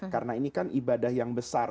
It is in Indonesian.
karena ini kan ibadah yang besar